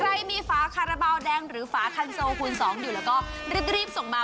ใครมีฝาคาราบาลแดงหรือฝาคันโซคูณ๒อยู่แล้วก็รีบส่งมา